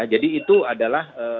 jadi itu adalah